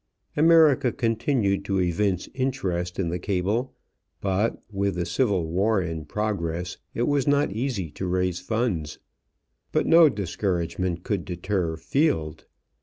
America continued to evince interest in the cable, but with, the Civil War in progress it was not easy to raise funds. But no discouragement could deter Field.